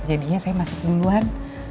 jadinya saya masuk duluan